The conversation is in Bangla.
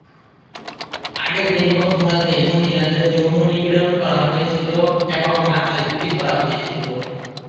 আগের দিন মধ্যরাতে মহিলাদের যৌন নিপীড়ন করা হয়েছিল এবং মাথায় গুলি করা হয়েছিল।